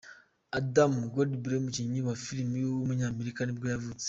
Adam Goldberg, umukinnyi wa filime w’umunyamerika nibwo yavutse.